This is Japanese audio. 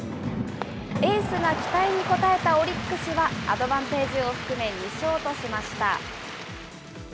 エースが期待に応えたオリックスは、アドバンテージを含め２勝としました。